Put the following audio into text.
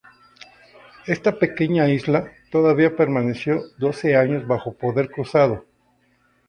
Esta pequeña isla todavía permaneció doce años bajo poder cruzado.